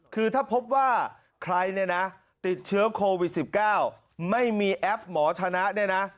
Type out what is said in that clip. คือถ้าพบว่าใครเนี่ยนะติดเชื้อโควิด๑๙ไม่มีแอปหมอชนะเนี่ยนะ